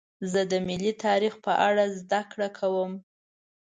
زه د ملي تاریخ په اړه زدهکړه کوم.